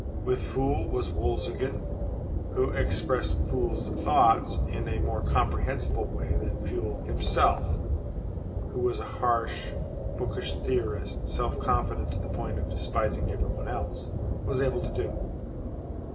With Pfuel was Wolzogen, who expressed Pfuel's thoughts in a more comprehensible way than Pfuel himself (who was a harsh, bookish theorist, self confident to the point of despising everyone else) was able to do.